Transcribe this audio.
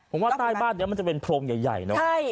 ผมว่าใต้บ้านเนี่ยมันจะเป็นโพรงใหญ่ใหญ่เนอะใช่